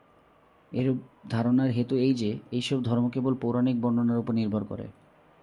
এরূপ ধারণার হেতু এই যে, এইসব ধর্ম কেবল পৌরাণিক বর্ণনার উপর নির্ভর করে।